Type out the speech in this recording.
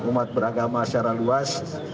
umat beragama secara luas